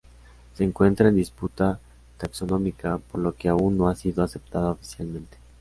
Se encuentra en disputa taxonómica por lo que aún no ha sido aceptada oficialmente.